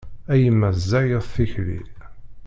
A yemma ẓẓayet tikli.